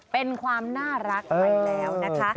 เป็นความน่ารักไปแล้วนะคะ